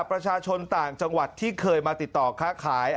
ประชาชนต่างจังหวัดที่เคยมาติดต่อค้าขาย